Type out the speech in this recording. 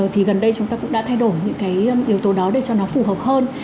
thì gần đây chúng ta cũng đã thay đổi những cái yếu tố đó để cho nó phù hợp hơn